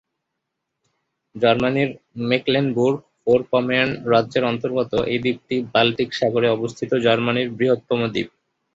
জার্মানির মেকলেনবুর্গ-ফোরপমের্ন রাজ্যের অন্তর্গত এই দ্বীপটি বাল্টিক সাগরে অবস্থিত জার্মানির বৃহত্তম দ্বীপ।